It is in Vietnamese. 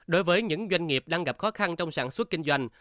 đối với những doanh nghiệp đang gặp khó khăn trong sản xuất kinh doanh